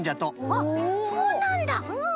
あっそうなんだ。